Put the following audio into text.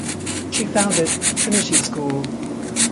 She founded the Trinity School.